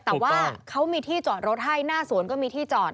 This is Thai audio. แต่ว่าเขามีที่จอดรถให้หน้าสวนก็มีที่จอด